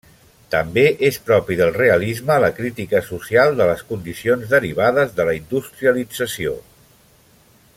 També és propi del realisme la crítica social de les condicions derivades de la industrialització.